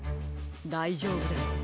だいじょうぶです。